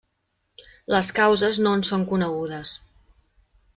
Les causes no en són conegudes.